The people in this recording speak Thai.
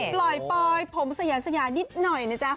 ปล่อยปอยผมสยามสยานิดหน่อยนะจ๊ะ